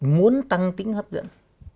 muốn tăng tính hấp dẫn